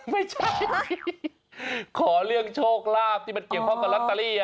ไม่ใช่ขอเรื่องโชคลาภที่มันเกี่ยวข้องกับลอตเตอรี่